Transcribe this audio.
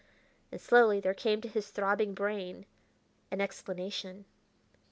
And slowly there came to his throbbing brain an explanation.